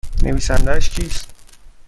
نویسندهاش کیست؟